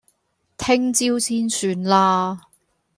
聽朝先算啦